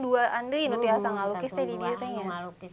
saya sudah belajar lukis